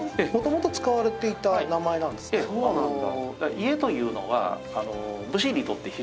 そうなんだ。